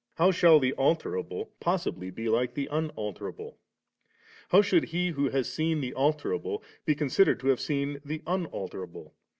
how shall the alterable possibly be like the Unalterable? How should he who has seen the alterable, be considered to have seen the Unalterable?